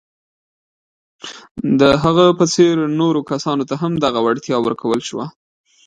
د هغه په څېر نورو کسانو ته هم دغه وړتیا ورکول شوه.